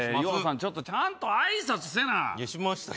ちょっとちゃんと挨拶せないやしましたよ